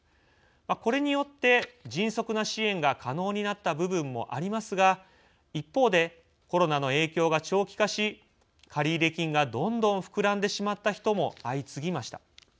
これによって迅速な支援が可能になった部分もありますが一方で、コロナの影響が長期化し借入金がどんどん膨らんでしまった人も相次ぎました。